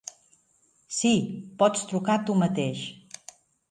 Sí, pots trucar tu mateix.